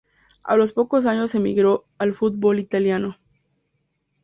A los pocos años emigro al fútbol italiano.